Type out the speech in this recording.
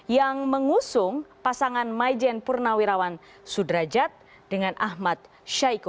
yang mengusung pasangan majen purnawirawan sudrajat dengan ahmad syaiko